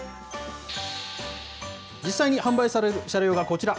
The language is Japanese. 実際に販売される車両がこちら。